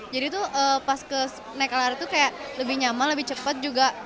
jadi itu pas naik lrt tuh kayak lebih nyaman lebih cepet juga